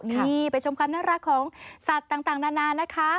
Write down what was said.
นี่ไปชมความน่ารักของสัตว์ต่างนานานะคะ